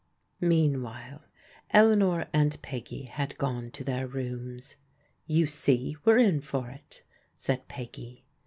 Meanwhile Eleanor and Peggy had gone to thdr rooms. " You see we're in for it," said Peggy.